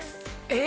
え！